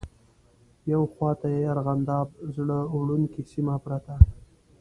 یوه خواته یې ارغنداب زړه وړونکې سیمه پرته.